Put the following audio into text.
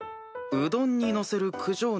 うどんにのせる九条